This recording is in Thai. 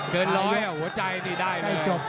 เกินร้อยห่วงแจนี่ได้